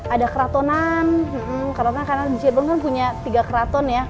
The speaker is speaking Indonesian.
ada keratonan karena di cirebon kan punya tiga keraton ya